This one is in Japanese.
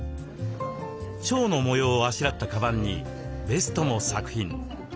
チョウの模様をあしらったカバンにベストも作品。